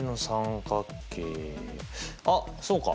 あっそうか！